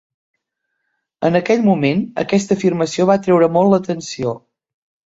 En aquell moment, aquesta afirmació va atreure molt la atenció.